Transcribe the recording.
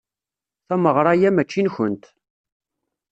Tameɣra-a mačči nkent.